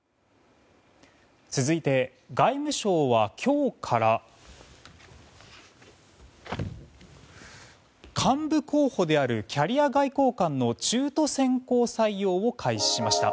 続いて、外務省は今日から幹部候補であるキャリア外交官の中途選考採用を開始しました。